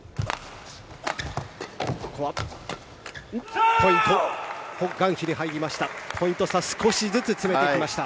ここはポイントホ・グァンヒに入りました。